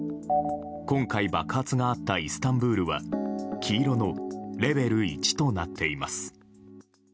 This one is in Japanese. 今回、爆発があったイスタンブールは黄色のレベル１となっています。